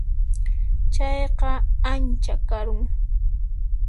Chayqa ancha karun.